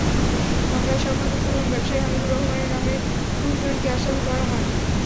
মামলায় শওকত ইসলাম এবং ব্যবসায়ী হামিদুর রহমানের নামের দুজনকে আসামি করা হয়।